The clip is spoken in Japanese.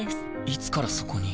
いつからそこに？